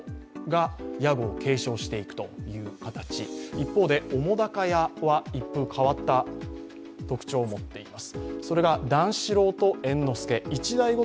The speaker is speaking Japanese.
一方で、澤瀉屋は一風変わった特徴を持っています。